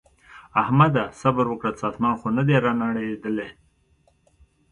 احمده! صبره وکړه څه اسمان خو نه دی رانړېدلی.